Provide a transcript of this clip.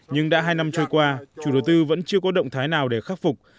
nhưng đã hai năm trôi qua chủ đầu tư vẫn chưa có động thái nào để khắc phục